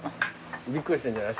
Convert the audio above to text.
びっくりしてんじゃない？